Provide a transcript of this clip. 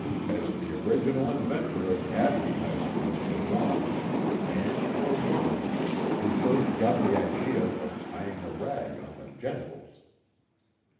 As the original inventor of advertising was the one (man or woman?) who first got the idea of tying a rag on the genitals.